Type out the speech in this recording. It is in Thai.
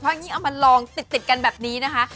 อย่างนี้เอามาลองติดกันแบบนี้นะคะ